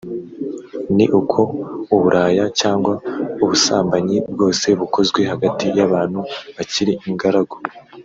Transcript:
ni uko uburaya cyangwa ubusambanyi bwose bukozwe hagati y’abantu bakiri ingaragu